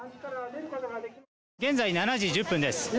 現在７時１０分です。